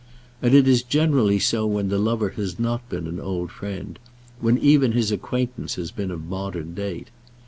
And it is generally so when the lover has not been an old friend, when even his acquaintance has been of modern date.